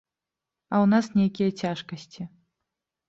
А ў нас нейкія цяжкасці.